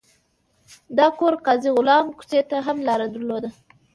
دا کور قاضي غلام کوڅې ته هم لار درلوده.